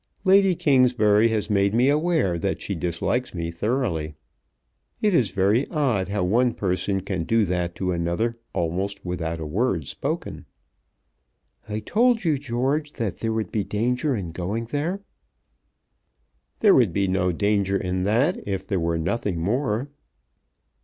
"Lady Kingsbury has made me aware that she dislikes me thoroughly. It is very odd how one person can do that to another almost without a word spoken." "I told you, George, that there would be danger in going there." "There would be no danger in that if there were nothing more."